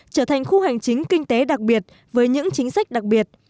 trở thành khu hành chính kinh tế đặc biệt với những chính sách đặc biệt